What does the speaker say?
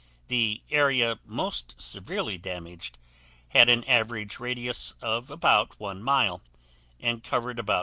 The area most severely damaged had an average radius of about 1 mile, and covered about 2.